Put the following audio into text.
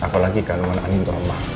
apa lagi kandungan andin terlombak